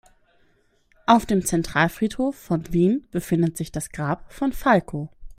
Auf dem Zentralfriedhof von Wien befindet sich das Grab von Falco.